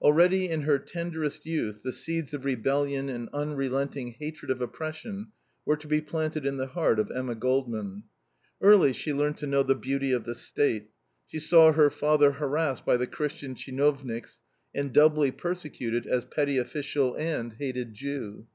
Already in her tenderest youth the seeds of rebellion and unrelenting hatred of oppression were to be planted in the heart of Emma Goldman. Early she learned to know the beauty of the State: she saw her father harassed by the Christian CHINOVNIKS and doubly persecuted as petty official and hated Jew.